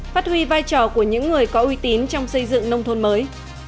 phát huy vai trò của những người có uy tín trong xây dựng nông thôn mới